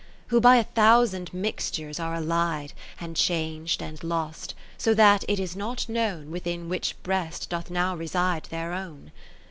Who by a thousand mixtures are allied, And chang'd and lost, so that it is not known Within which breast doth now reside their own.